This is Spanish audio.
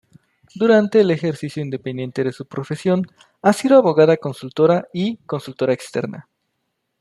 Durante el ejercicio independiente de su profesión ha sido abogada consultora y consultora externa.